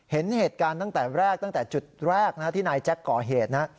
เห็นเหตุการณ์ตั้งแต่แรกตั้งแต่จุดแรกนะที่นายแจ็คก่อเหตุนะ